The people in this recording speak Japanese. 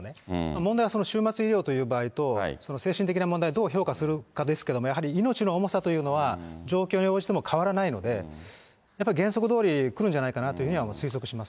問題はその終末医療という場合と、精神的な問題をどう評価するかですけれども、やはり、命の重さというのは状況に応じても変わらないので、やっぱり原則どおりくるんじゃないかなというふうには推測します